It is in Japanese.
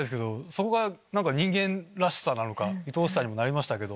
そこが人間らしさなのかいとおしさにもなりましたけど。